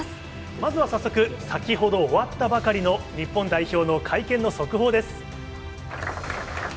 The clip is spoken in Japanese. まずは早速、先ほど終わったばかりの日本代表の会見の速報です。